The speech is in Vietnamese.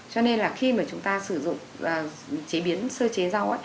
cho nên là khi mà chúng ta sử dụng chế biến sơ chế rau